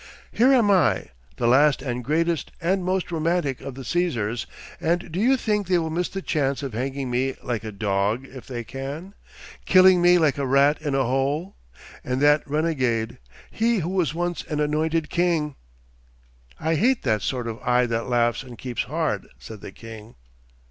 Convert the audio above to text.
Here am I, the last and greatest and most romantic of the Cæsars, and do you think they will miss the chance of hanging me like a dog if they can, killing me like a rat in a hole? And that renegade! He who was once an anointed king! ... 'I hate that sort of eye that laughs and keeps hard,' said the king.